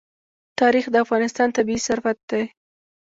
تاریخ د افغانستان طبعي ثروت دی.